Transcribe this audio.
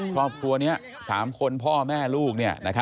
ครอบครัวนี้๓คนพ่อแม่ลูก